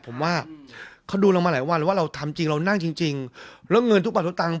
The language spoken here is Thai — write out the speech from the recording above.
ผมว่าเขาดูเรามาหลายวันเลยว่าเราทำจริงเรานั่งจริงจริงแล้วเงินทุกบาททุกตังค์